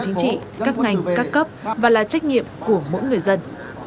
các ngành các cấp và là trách nhiệm của mỗi người dân